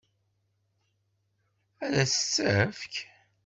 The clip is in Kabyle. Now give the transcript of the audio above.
Ad s-tt-tefk?